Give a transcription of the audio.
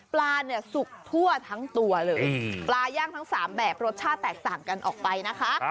ปลาเนี่ยสุกทั่วทั้งตัวเลยปลาย่างทั้ง๓แบบรสชาติแตกต่างกันออกไปนะคะ